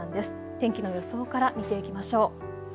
天気の予想から見ていきましょう。